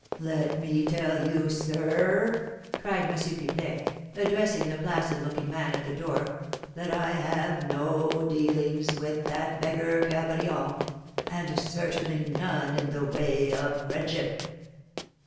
"Let me tell you, sir r r!" cried M. Pipelet, addressing the placid looking man at the door, "that I have no dealings with that beggar Cabrion, and certainly none in the way of friendship!"